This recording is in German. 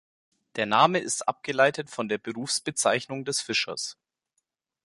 Der Name ist abgeleitet von der Berufsbezeichnung des Fischers.